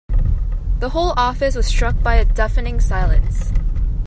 The whole office was struck by a deafening silence.